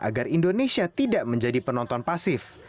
agar indonesia tidak menjadi penonton pasif